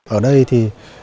ở đây thì